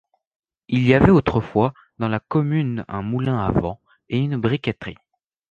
Il y avait autrefois dans la commune un moulin à vent et une briqueterie.